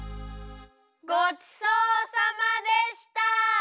ごちそうさまでした！